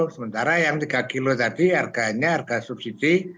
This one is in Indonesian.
sementara yang tiga kilo tadi harganya harga subsidi